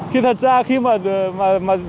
khi thật ra khi mà